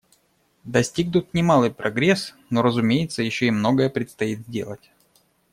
Достигнут немалый прогресс, но, разумеется, еще и многое предстоит сделать.